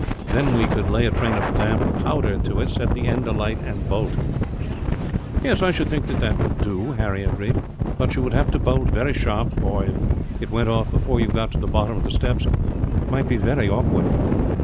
Then we could lay a train of damp powder to it, set the end alight, and bolt." "I should think that that would do," Harry agreed, "but you would have to bolt very sharp for, if it went off before you got to the bottom of the steps, it might be very awkward."